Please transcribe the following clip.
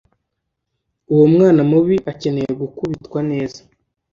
Uwo mwana mubi akeneye gukubitwa neza